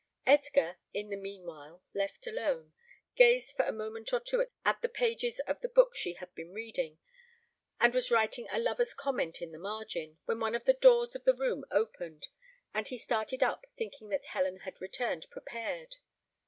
Edgar, in the meanwhile left alone, gazed for a moment or two at the pages of the book she had been reading, and was writing a lover's comment in the margin, when one of the doors of the room opened, and he started up, thinking that Helen had returned prepared.